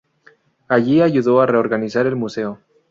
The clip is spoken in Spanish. Allí, ayudó a reorganizar el museo.